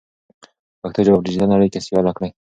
پښتو ژبه په ډیجیټل نړۍ کې سیاله کړئ.